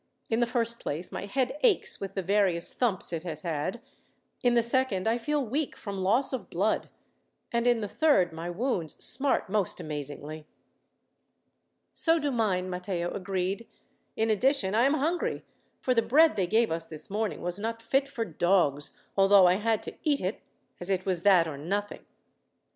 In the first place, my head aches with the various thumps it has had; in the second, I feel weak from loss of blood; and in the third, my wounds smart most amazingly." "So do mine," Matteo agreed. "In addition, I am hungry, for the bread they gave us this morning was not fit for dogs, although I had to eat it, as it was that or nothing."